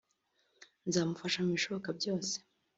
nzamufasha mu bishoboka byose